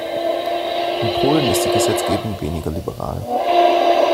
In Polen ist die Gesetzgebung weniger liberal.